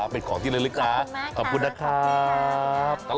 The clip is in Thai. เป็นของที่เลยเลยค่ะขอบคุณมากค่ะขอบคุณครับค่ะ